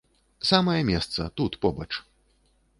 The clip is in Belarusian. Самае месца, тут побач.